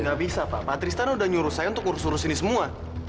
nggak bisa pak tristana udah nyuruh saya untuk urus urus ini semua